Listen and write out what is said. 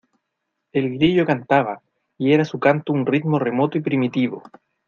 el grillo cantaba, y era su canto un ritmo remoto y primitivo.